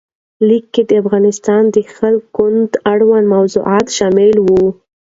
لیک کې د افغانستان د خلق ګوند اړوند موضوعات شامل وو.